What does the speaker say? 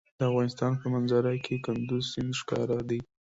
د افغانستان په منظره کې کندز سیند ښکاره دی.